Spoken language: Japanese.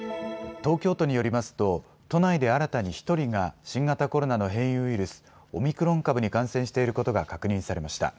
東京都によりますと都内で新たに１人が新型コロナの変異ウイルス、オミクロン株に感染していることが確認されました。